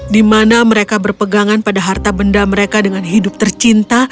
di mana mereka berpegangan pada harta benda mereka dengan hidup tercinta